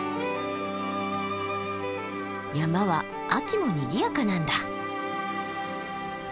山は秋もにぎやかなんだ。